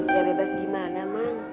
ya bebas gimana mang